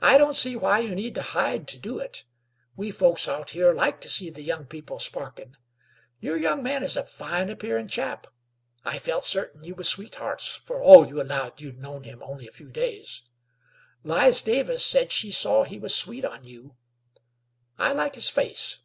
"I don't see why you need hide to do it. We folks out here like to see the young people sparkin'. Your young man is a fine appearin' chap. I felt certain you was sweethearts, for all you allowed you'd known him only a few days. Lize Davis said she saw he was sweet on you. I like his face.